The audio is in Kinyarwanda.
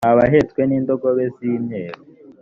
mwa bahetswe n indogobe z imyeru